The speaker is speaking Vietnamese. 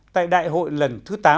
tại đại hội lần thứ tám